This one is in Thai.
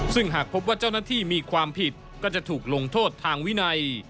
ซึ่งหากพบว่าเจ้าหน้าที่มีความผิดก็จะถูกลงโทษทางวินัย